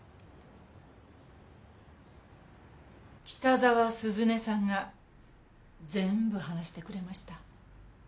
北澤涼音さんが全部話してくれました。